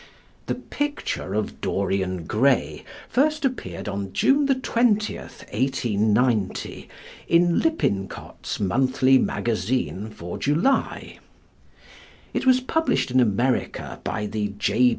The Picture of Dorian Gray first appeared on June 20th, 1890, in Lippincott's Monthly Magazine for July. It was published in America by the J.